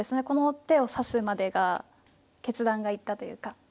この手を指すまでが決断がいったというか。